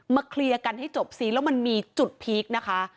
เคลียร์กันให้จบซิแล้วมันมีจุดพีคนะคะ